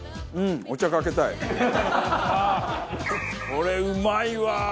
これうまいわ！